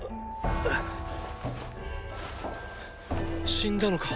死んだのか？